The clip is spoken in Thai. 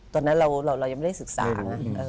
ตอนนั้นเรายังไม่ได้ศึกษานะ